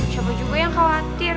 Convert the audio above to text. saba juga yang khawatir